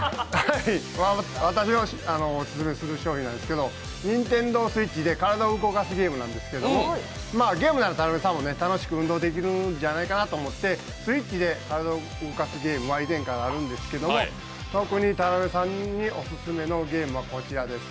私のオススメする商品なんですけどＮｉｎｔｅｎｄｏｓｗｉｔｃｈで体を動かすゲームなんですけど、ゲームだと田辺さんも楽しく運動できるんじゃないかと思ってＳｗｉｔｃｈで体を動かすゲームは以前からあるんですけど、特に田辺さんにオススメのゲームはこちらです。